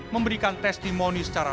memberikan testimoni sebesar ini